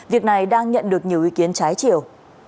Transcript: việc này đang nhận được nhiều ý kiến trái chiều